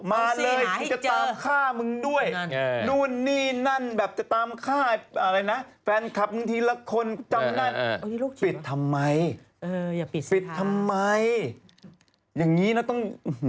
มาเลยกูจะตามฆ่ามึงด้วยนู่นนี่นั่นแบบจะตามฆ่าอะไรนะแฟนคลับมึงทีละคนจำได้ปิดทำไมปิดทำไมอย่างนี้นะต้อง